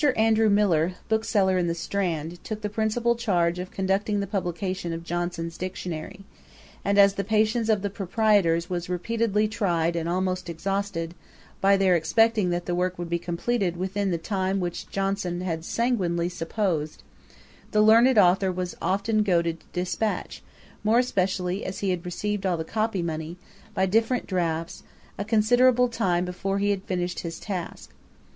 Andrew Millar, bookseller in the Strand, took the principal charge of conducting the publication of Johnson's Dictionary; and as the patience of the proprietors was repeatedly tried and almost exhausted, by their expecting that the work would be completed within the time which Johnson had sanguinely supposed, the learned authour was often goaded to dispatch, more especially as he had received all the copy money, by different drafts, a considerable time before he had finished his task.